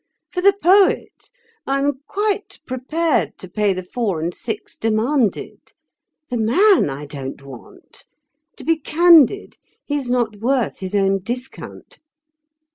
For the poet I am quite prepared to pay the four and six demanded; the man I don't want. To be candid, he is not worth his own discount."